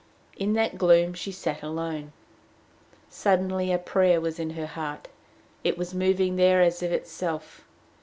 In that gloom she sat alone. Suddenly a prayer was in her heart. It was moving there as of itself.